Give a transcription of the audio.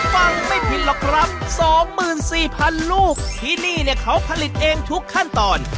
ฟังไม่ผิดหรอกครับสองหมื่นสี่พันลูกที่นี่เนี่ยเขาผลิตเองทุกขั้นตอน